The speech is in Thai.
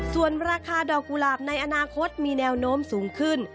ส่วนราคาดอกกุหลาบในอนาคตมีแนวโน้มสูงขึ้น